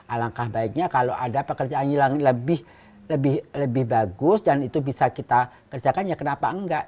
alangkah baiknya kalau ada pekerjaan yang lebih bagus dan itu bisa kita kerjakan ya kenapa enggak